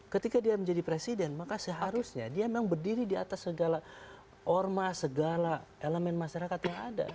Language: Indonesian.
ketika dia menjadi presiden maka seharusnya dia memang berdiri di atas segala ormas segala elemen masyarakat yang ada